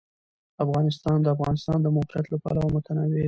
افغانستان د د افغانستان د موقعیت له پلوه متنوع دی.